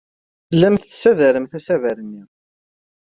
Tellamt tessadaremt asaber-nni.